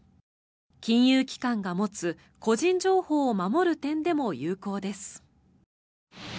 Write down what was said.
金融機関が持つ個人情報を守る点でも有効です。